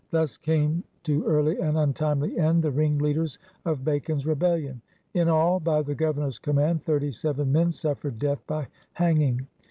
'* Thus came to early and untimely end the ringleaders of Bacon's Rebellion. Li all, by the Governor's command, thirty seven men suf fered death by hanging.